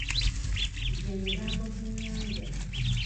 Gye mirambo ku nnyanja.